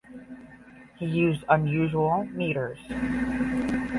He used unusual metres.